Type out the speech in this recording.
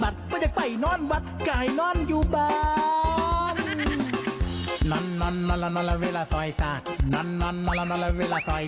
อ๋อซอยนี่ก็คือช่วย